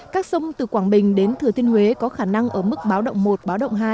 các sông từ quảng bình đến thừa thiên huế có khả năng ở mức báo động một báo động hai